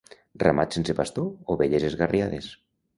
Ramat sense pastor? Ovelles esgarriades.